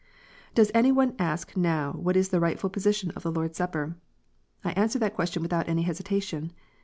Does any one ask now what is the rightful position of the Lord s Supper? I answer that question without any hesitation.